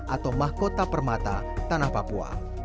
atau mahkota permata tanah papua